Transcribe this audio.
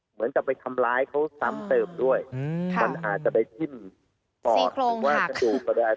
เหมือนจะไปทำร้ายเขาสำเติมด้วยอืมมันอาจจะไปชิ้นสี่โครงหัก